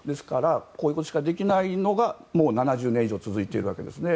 こういうことしかできないのが７０年以上続いているわけですね。